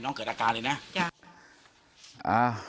น้องเกิดอาการเลยนะ